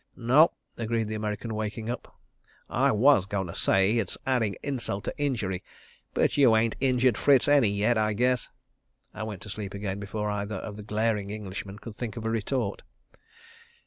"Nope," agreed the American, waking up. "I was going to say it's adding insult to injury—but you ain't injured Fritz any, yet, I guess," and went to sleep again before either of the glaring Englishmen could think of a retort.